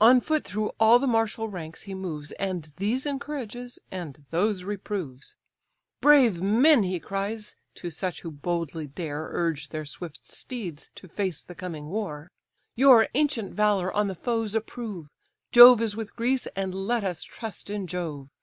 On foot through all the martial ranks he moves And these encourages, and those reproves. "Brave men!" he cries, (to such who boldly dare Urge their swift steeds to face the coming war), "Your ancient valour on the foes approve; Jove is with Greece, and let us trust in Jove.